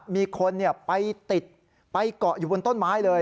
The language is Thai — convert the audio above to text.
มีคนไปติดไปเกาะอยู่บนต้นไม้เลย